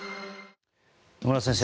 野村先生